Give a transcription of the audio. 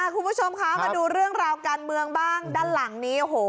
คุณผู้ชมคะมาดูเรื่องราวการเมืองบ้างด้านหลังนี้โอ้โห